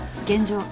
「現状